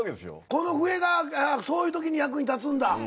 この笛がそういうときに役に立つんだ。